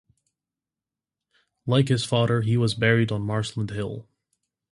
Like his father, he was buried on Marsland Hill.